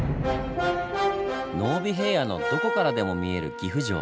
濃尾平野のどこからでも見える岐阜城。